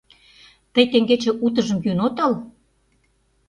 Тый теҥгече утыжым йӱын отыл?